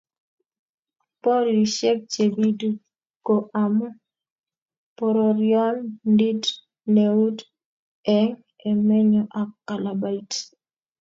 Boriosiek chebitu ko amu pororiondit neitu eng emenyo ak kalabait